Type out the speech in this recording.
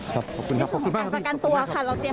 ครับขอบคุณครับขอบคุณมากครับพี่ขอบคุณมากครับพี่